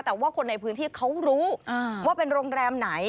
แต่ว่าคนในพื้นที่เขารู้ว่าเป็นโรงแรมไหน